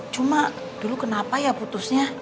cuma dulu kenapa ya putusnya